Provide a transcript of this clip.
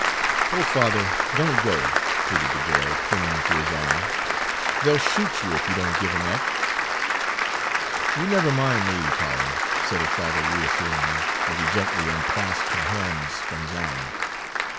"Oh, father! don't go!" pleaded the girl, clinging to his arm; "they'll shoot you if you don't give him up." "You never mind me, Polly," said her father reassuringly, as he gently unclasped her hands from his arm.